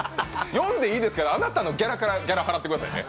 呼んでいいですけど、あなたのギャラからギャラ払ってくださいね。